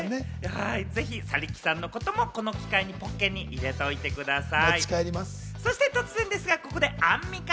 ぜひ去木さんのことも、この機会にポッケに入れておいてください。